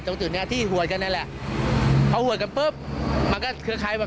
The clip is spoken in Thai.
ตรงตึกนี้ที่หวดกันนั่นแหละเพราะหวดกันปุ๊บมันก็คือคล้ายคล้าย